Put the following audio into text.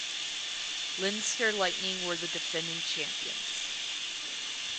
Leinster Lightning were the defending champions.